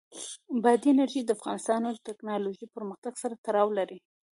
بادي انرژي د افغانستان د تکنالوژۍ پرمختګ سره تړاو لري.